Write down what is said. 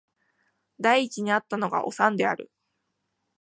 第一に逢ったのがおさんである